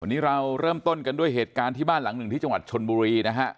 วันนี้เราเริ่มต้นกันด้วยเหตุการณ์ที่บ้านหลังหนึ่งที่จังหวัดชนบุรีนะฮะ